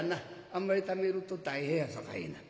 あんまりためると大変やさかいな。